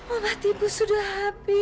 obat ibu sudah habis